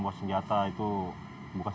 hanya kita dulu badan